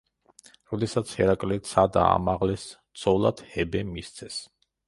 როდესაც ჰერაკლე ცად აამაღლეს ცოლად ჰებე მისცეს.